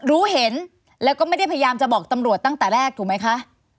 รู้เห็นแล้วก็ไม่ได้พยายามจะบอกตำรวจตั้งแต่แรกถูกไหมคะ